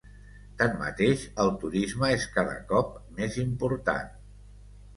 Tanmateix, el turisme és cada cop més important.